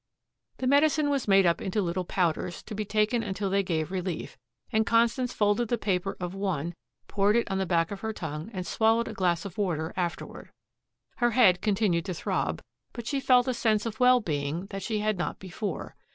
The medicine was made up into little powders, to be taken until they gave relief, and Constance folded the paper of one, poured it on the back of her tongue and swallowed a glass of water afterward. Her head continued to throb, but she felt a sense of well being that she had not before.